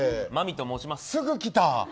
すぐ来た！